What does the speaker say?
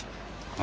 あ？